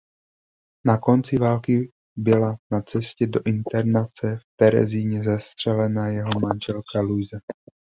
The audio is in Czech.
Na konci války byla na cestě do internace v Terezíně zastřelena jeho manželka Luisa.